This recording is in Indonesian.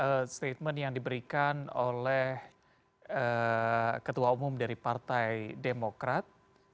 tadi kita sudah lihat adanya statement yang diberikan oleh ketua umum dari partai demokrat